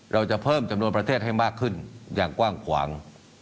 เราจะเพิ่มจำนวนประเทศให้มากขึ้นอย่างกว้างขวาง